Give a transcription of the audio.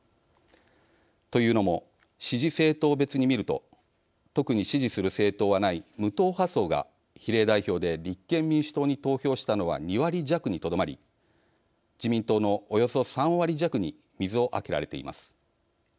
というのも、支持政党別に見ると特に支持する政党はない無党派層が比例代表で立憲民主党に投票したのは２割弱にとどまり自民党のおよそ３割弱に水をあけられています。